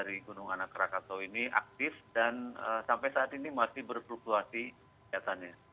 pengurusan gas yang kuat dari gunung anak rakatau ini aktif dan sampai saat ini masih berfluktuasi kelihatannya